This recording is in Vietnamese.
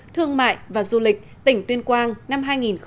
thương mại và du lịch tỉnh tuyên quang năm hai nghìn một mươi chín